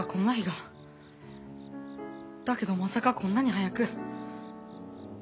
だけどまさかこんなに早く。